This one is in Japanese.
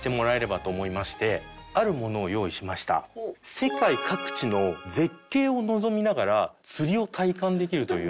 世界各地の絶景を望みながら釣りを体感できるという。